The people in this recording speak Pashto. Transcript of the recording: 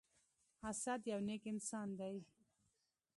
اسد يو نیک انسان دی.